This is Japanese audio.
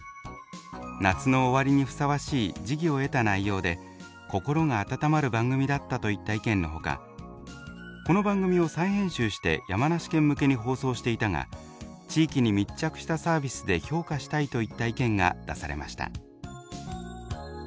夏の終わりにふさわしい時宜を得た内容で心が温まる番組だった」といった意見のほか「この番組を再編集して山梨県向けに放送していたが地域に密着したサービスで評価したい」といった意見が出されました。